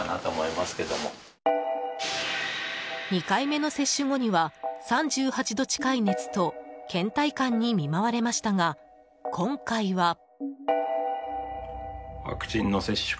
２回目の接種後には３８度近い熱と倦怠感に見舞われましたが、今回は。